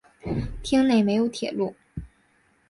町内没有铁路。